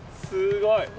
すごい。